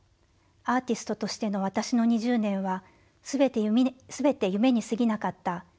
アーティストとしての私の２０年は全て夢にすぎなかった。